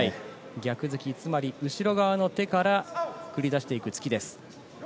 逆突き、つまり後ろ側の手から繰り出していく突きです。